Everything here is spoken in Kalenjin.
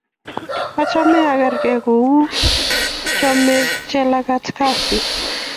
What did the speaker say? Achome akere kouyo chamei Jelagat kasit